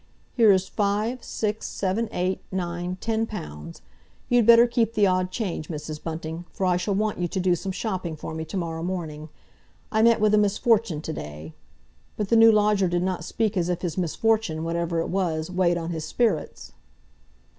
"Here's five—six—seven—eight—nine—ten pounds. You'd better keep the odd change, Mrs. Bunting, for I shall want you to do some shopping for me to morrow morning. I met with a misfortune to day." But the new lodger did not speak as if his misfortune, whatever it was, weighed on his spirits.